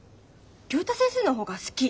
竜太先生の方が好き。